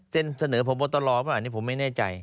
เซ็นเสนอพบตลอบอันนี้ผมไม่แน่ใจ